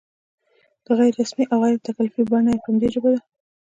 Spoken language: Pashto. غیر رسمي او غیر تکلفي بڼه یې په همدې ژبه ده.